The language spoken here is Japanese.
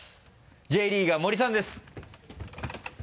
Ｊリーガー森さんです！